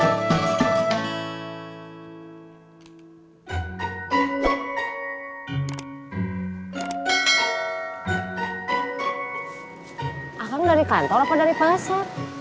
aku dari kantor apa dari pasar